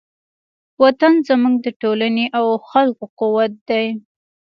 وطن زموږ د ټولنې او خلکو قوت دی.